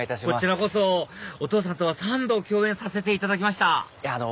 こちらこそお父さんとは３度共演させていただきました